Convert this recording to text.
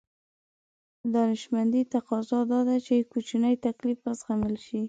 دانشمندي تقاضا دا ده چې کوچنی تکليف وزغمل شي.